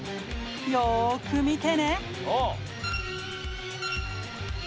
よーく見てね。